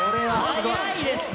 速いですね。